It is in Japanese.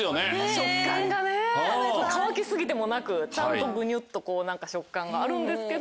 食感がね乾き過ぎてもなくちゃんとグニュっと食感があるんですけど。